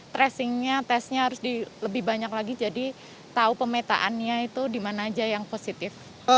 tracingnya tesnya harus lebih banyak lagi jadi tahu pemetaannya itu dimana aja yang positif